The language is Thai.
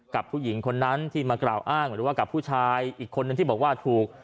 กับผู้หญิงคนนั้นที่มากล่าวอ้างหรือว่ากับผู้ชายอีกคนนึงที่บอกว่าถูก